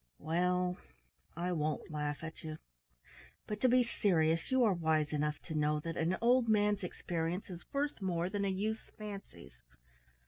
"Well, I won't laugh at you; but, to be serious, you are wise enough to know that an old man's experience is worth more than a youth's fancies.